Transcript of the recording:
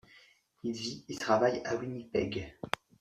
Il vit et travaille à Winnipeg.